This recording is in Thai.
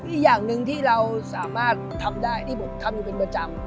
อีกอย่างหนึ่งที่เราสามารถทำได้ที่ผมทำอยู่เป็นประจำ